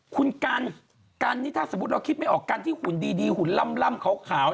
คุณกันกันนี่ถ้าสมมุติเราคิดไม่ออกกันที่หุ่นดีหุ่นล่ำขาว